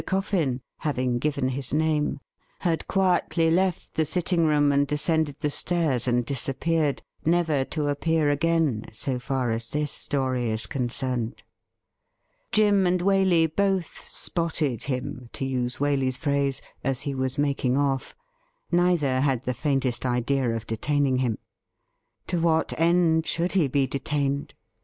Coffin, having given his name, had quietly left the sitting room and descended the stairs and disappeared, never to appear again, so far as this story is concerned. Jim and Waley both ' spotted ' him, to use Waley's phrase, as he was making off; neither had the faintest idea of detaining him. To what end should he be detained